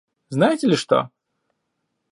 Знаете ли что?